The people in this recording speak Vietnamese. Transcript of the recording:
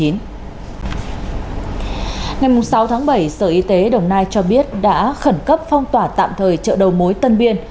ngày sáu tháng bảy sở y tế đồng nai cho biết đã khẩn cấp phong tỏa tạm thời chợ đầu mối tân biên